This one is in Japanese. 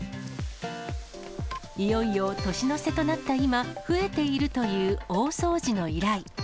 いよいよ年の瀬となった今、増えているという大掃除の依頼。